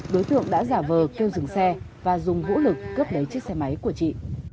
đối tượng đã giả vờ kêu dừng xe và dùng vũ lực cướp lấy chiếc xe máy của chị